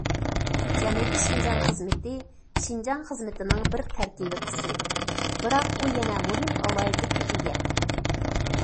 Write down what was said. جەنۇبىي شىنجاڭ خىزمىتى شىنجاڭ خىزمىتىنىڭ بىر تەركىبىي قىسمى، بىراق ئۇ يەنە مۇھىم ئالاھىدىلىككە ئىگە.